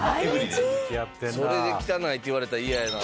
それで汚いって言われたら嫌やな。